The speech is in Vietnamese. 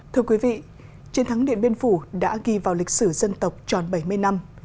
thưa quý vị chiến thắng điện biên phủ đã ghi vào lịch sử dân tộc tròn bảy mươi năm